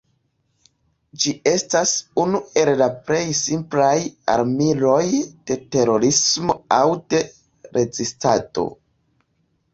Ĝi estas unu el la plej simplaj armiloj de terorismo aŭ de rezistado.